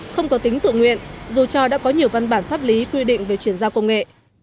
không có tính tự nguyện dù cho đã có nhiều văn bản pháp lý quy định về chuyển giao công nghệ